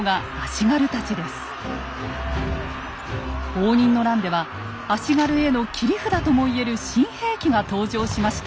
応仁の乱では足軽への切り札とも言える新兵器が登場しました。